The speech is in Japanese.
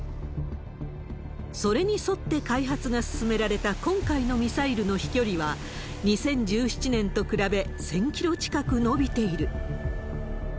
それに沿って開発が進められた今回のミサイルの飛距離は、２０１７年と比べ１０００キロ近く伸びている。